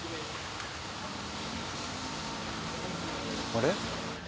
あれ？